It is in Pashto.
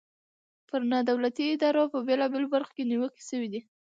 پر نا دولتي ادارو په بیلابیلو برخو کې نیوکې شوي دي.